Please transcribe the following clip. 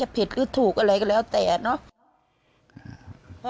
แต่มันถือปืนมันไม่รู้นะแต่ตอนหลังมันจะยิงอะไรหรือเปล่าเราก็ไม่รู้นะ